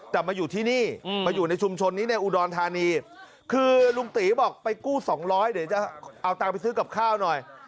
แต่มาอยู่ที่นี่มาอยู่ในชุมชนนี้ในอุดรธานีคือลุงตีบอกไปกู้สองร้อยเดี๋ยวจะเอาตังค์ไปซื้อกับข้าวหน่อย